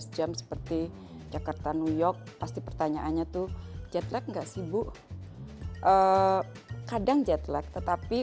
jam seperti jakarta new york pasti pertanyaannya tuh jetlag enggak sih bu kadang jetlag tetapi